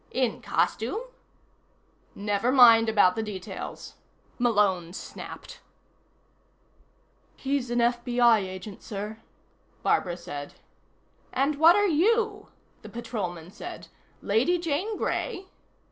"In costume?" "Never mind about the details," Malone snapped. "He's an FBI agent, sir," Barbara said. "And what are you?" the Patrolman said. "Lady Jane Grey?"